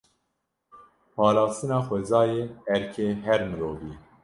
Parastina xwezayê erkê her mirovî ye.